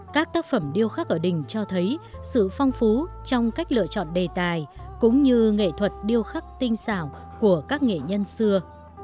các tác phẩm điêu khắc ở đình cho thấy sự phong phú trong cách lựa chọn đề tài cũng như nghệ thuật điêu khắc tinh xảo của các nghệ nhân xưa